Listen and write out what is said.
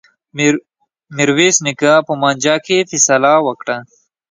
میرويس نیکه په مانجه کي فيصله وکړه.